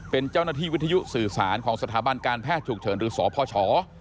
เป็นเจ้าหน้าที่วิทยุสื่อสารของสถาบันการแพทย์ฉุกเฉินหรือสพช